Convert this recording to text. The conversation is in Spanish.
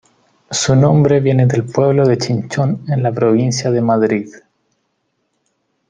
Su nombre viene del pueblo de Chinchón en la provincia de Madrid.